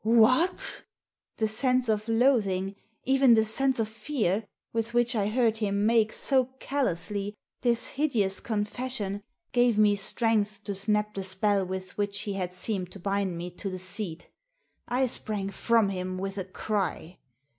"What!" The sense of loathing, even the sense of fear, with which I heard him make, so callously, this hideous confession, gave me strength to snap the spell with which he had seemed to bind me to the seat I sprang from him with a cry.